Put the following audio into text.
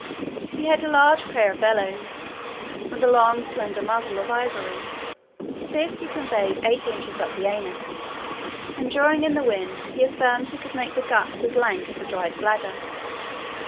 He had a large pair of bellows, with a long slender muzzle of ivory. This he conveyed eight inches up the anus, and drawing in the wind, he affirmed he could make the guts as lank as a dried bladder.